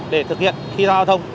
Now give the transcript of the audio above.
để thực hiện khi giao thông